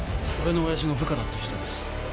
俺の親父の部下だった人です